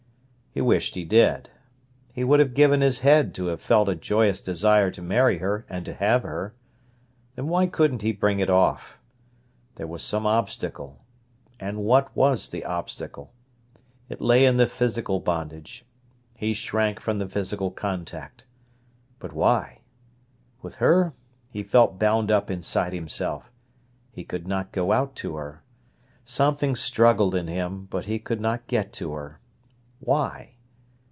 He wished he did. He would have given his head to have felt a joyous desire to marry her and to have her. Then why couldn't he bring it off? There was some obstacle; and what was the obstacle? It lay in the physical bondage. He shrank from the physical contact. But why? With her he felt bound up inside himself. He could not go out to her. Something struggled in him, but he could not get to her. Why?